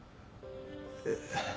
えっ